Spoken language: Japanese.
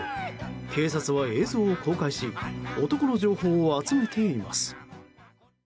警察は映像を公開し男の情報を集めています。